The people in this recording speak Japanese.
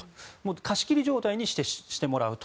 貸し切り状態にしてもらうと。